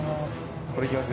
これいきます？